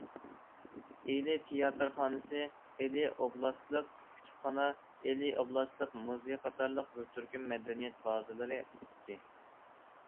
ئىلى تىياتىرخانىسى، ئىلى ئوبلاستلىق كۇتۇپخانا، ئىلى ئوبلاستلىق مۇزېي قاتارلىق بىر تۈركۈم مەدەنىيەت بازىلىرى پۈتتى.